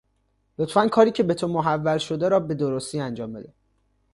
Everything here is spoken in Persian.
لطفا کاری که به تو محول شده را به درستی انجام بده